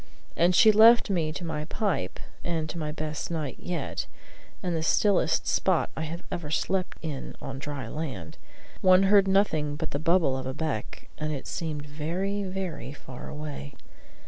And so she left me to my pipe and to my best night yet, in the stillest spot I have ever slept in on dry land; one heard nothing but the bubble of a beck; and it seemed very, very far away.